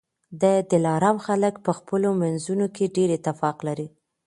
د دلارام خلک په خپلو منځونو کي ډېر اتفاق لري